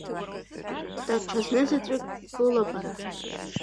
Даҽа знызаҵәык былабара!